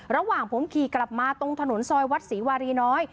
ระหว่างผมขี่กลับมาตรงถนนซอยวัดศรีวารีน้อย